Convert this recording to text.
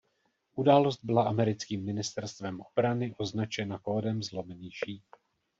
Událost byla americkým ministerstvem obrany označena kódem Zlomený šíp.